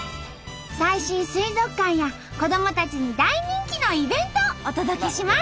最新水族館や子どもたちに大人気のイベントをお届けします！